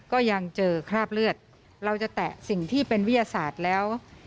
ก็ยังเจอคราบเลือดเราจะแตะสิ่งที่เป็นวิทยาศาสตร์แล้ว